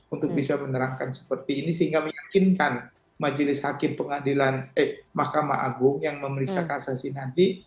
untuk bisa menerangkan seperti ini sehingga meyakinkan majelis hakim pengadilan eh mahkamah agung yang memeriksa kasasi nanti